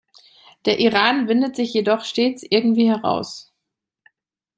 Der Iran windet sich jedoch stets irgendwie heraus.